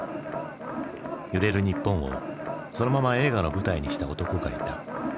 揺れる日本をそのまま映画の舞台にした男がいた。